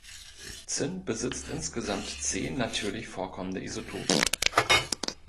Zinn besitzt insgesamt zehn natürlich vorkommende Isotope.